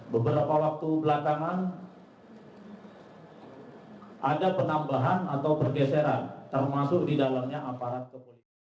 beberapa waktu belakangan ada penambahan atau pergeseran termasuk di dalamnya aparat kepolisian